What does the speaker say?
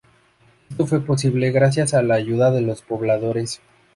Esto fue posible gracias a la ayuda de los pobladores.